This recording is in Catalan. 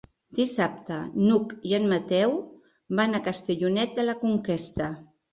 Dissabte n'Hug i en Mateu van a Castellonet de la Conquesta.